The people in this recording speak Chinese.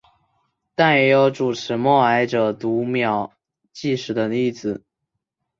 但也有主持默哀者读秒计时的例子。